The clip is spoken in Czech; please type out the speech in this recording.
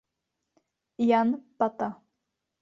Jan Pata.